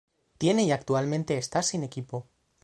Tiene y actualmente está sin equipo.